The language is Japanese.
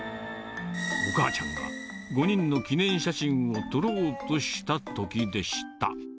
お母ちゃんが５人の記念写真を撮ろうとしたときでした。